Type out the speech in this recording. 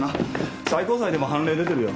最高裁でも判例出てるよ。